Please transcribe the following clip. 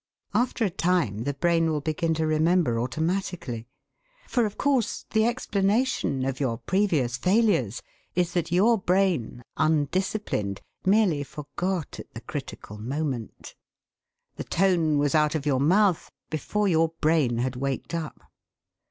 After a time the brain will begin to remember automatically. For, of course, the explanation of your previous failures is that your brain, undisciplined, merely forgot at the critical moment. The tone was out of your mouth before your brain had waked up.